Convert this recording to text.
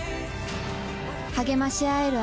励まし合える